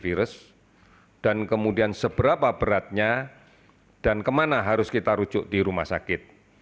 virus dan kemudian seberapa beratnya dan kemana harus kita rujuk di rumah sakit